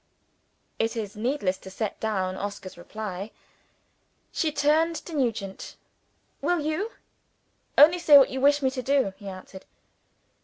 It is needless to set down Oscar's reply. She turned to Nugent. "Will you?" "Only say what you wish me to do!" he answered.